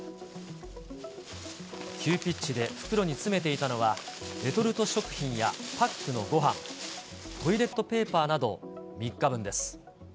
急ピッチで袋に詰めていたのは、レトルト食品やパックのごはん、トイレットペーパーなど、３日分です。